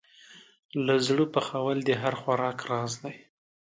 له زړه پخول د هر خوراک راز دی.